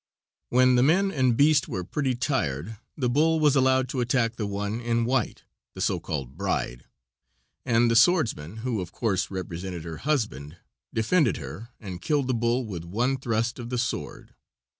When the men and beast were pretty tired, the bull was allowed to attack the one in white, the so called bride, and the swordsman, who of course represented her husband, defended her, and killed the bull with one thrust of the sword.